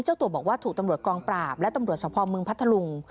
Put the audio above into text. เจ้าตัวบอกว่าถูกตำรวจกองปราบและตำรวจสภอมเมืองพัทธลุง